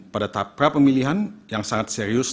pada tahap prapemilihan yang sangat serius